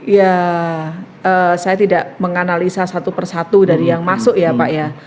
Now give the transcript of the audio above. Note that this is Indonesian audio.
ya saya tidak menganalisa satu persatu dari yang masuk ya pak ya